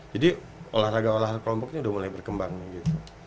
jadi olahraga olahraga kelompoknya udah mulai berkembang gitu